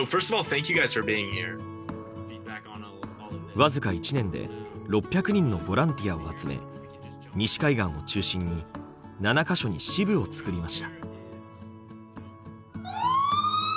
僅か１年で６００人のボランティアを集め西海岸を中心に７か所に支部を作りました。